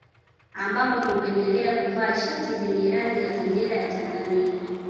Ambapo hupendelea kuvaa shati zenye rangi ya bendera za Tanzania